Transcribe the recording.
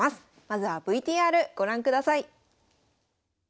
まずはＶＴＲご覧ください。